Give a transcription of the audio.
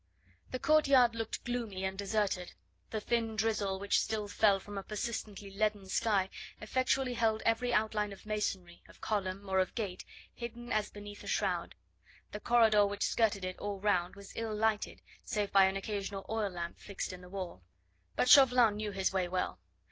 The courtyard looked gloomy and deserted. The thin drizzle which still fell from a persistently leaden sky effectually held every outline of masonry, of column, or of gate hidden as beneath a shroud. The corridor which skirted it all round was ill lighted save by an occasional oil lamp fixed in the wall. But Chauvelin knew his way well.